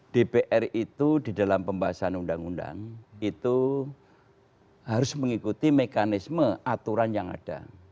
dpr itu di dalam pembahasan undang undang itu harus mengikuti mekanisme aturan yang ada